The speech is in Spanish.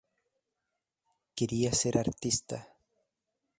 Quería ser artista.